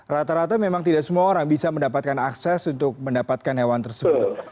rata rata memang tidak semua orang bisa mendapatkan akses untuk mendapatkan hewan tersebut